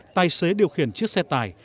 tài xế điều khiển chiếc xe tải